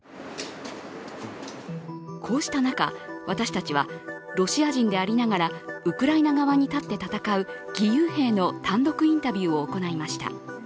こうした中、私たちはロシア人でありながらウクライナ側に立って戦う義勇兵の単独インタビューを行いました。